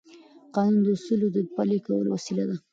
قانون د اصولو د پلي کولو وسیله ده.